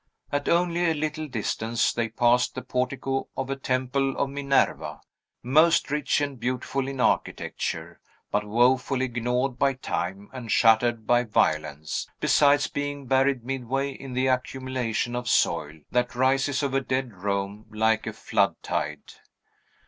At only a little distance, they passed the portico of a Temple of Minerva, most rich and beautiful in architecture, but woefully gnawed by time and shattered by violence, besides being buried midway in the accumulation of soil, that rises over dead Rome like a flood tide.